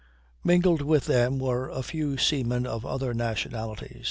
Mingled with them were a few seamen of other nationalities.